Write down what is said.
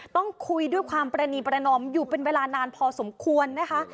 ต้องคุยด้วยความประนีประนอมอยู่เป็นเวลานานพอสมควรนะคะ